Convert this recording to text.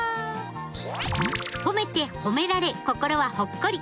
褒めて褒められ心はほっこり。